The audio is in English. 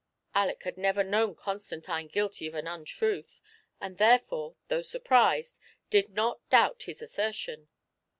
Aleck had never known Constantine guilty of an un tiiith, and therefore, though surprised, did not doubt his assertion.